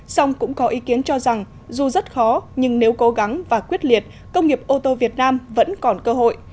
song cũng có ý kiến cho rằng dù rất khó nhưng nếu cố gắng và quyết liệt công nghiệp ô tô việt nam vẫn còn cơ hội